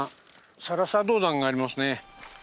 サラサドウダンがありますね。